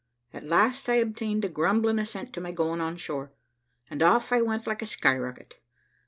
At last I obtained a grumbling assent to my going on shore, and off I went like a sky rocket.